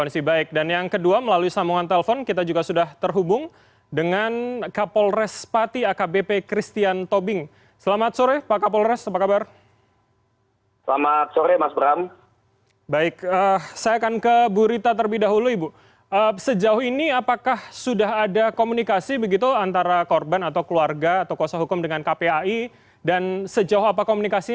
selamat sore mas bram